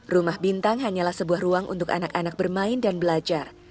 rumah bintang hanyalah sebuah ruang untuk anak anak bermain dan belajar